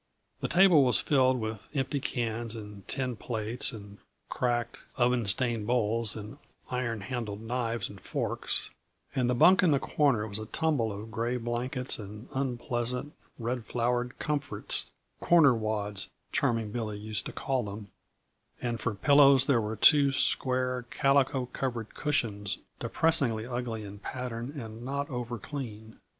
The table was filled with empty cans and tin plates and cracked, oven stained bowls and iron handled knives and forks, and the bunk in the corner was a tumble of gray blankets and unpleasant, red flowered comforts corner wads, Charming Billy was used to calling them and for pillows there were two square, calico covered cushions, depressingly ugly in pattern and not over clean.